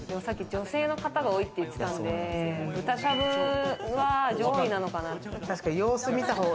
女性の方が多いって言ってたんで、豚しゃぶは上位なのかな。